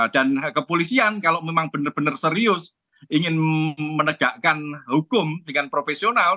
dan kepolisian kalau memang benar benar serius ingin menegakkan hukum dengan profesional